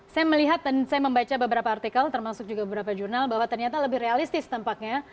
saya melihat dan saya membaca beberapa artikel termasuk juga beberapa jurnal bahwa ternyata lebih realistis tampaknya